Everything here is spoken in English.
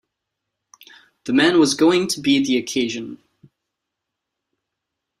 The man was going to be the occasion.